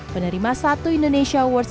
penerima satu indonesia awards